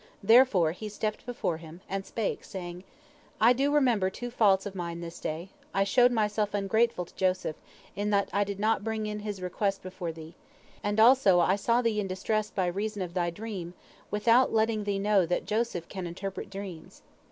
Therefore he stepped before him, and spake, saying, "I do remember two faults of mine this day, I showed myself ungrateful to Joseph, in that I did not bring his request before thee, and also I saw thee in distress by reason of thy dream, without letting thee know that Joseph can interpret dreams.